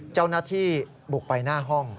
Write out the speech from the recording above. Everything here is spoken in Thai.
เจ้าหน้าที่บุกไปหน้าห้อง